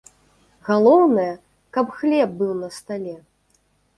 Галоўнае, каб хлеб быў на стале.